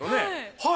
はい。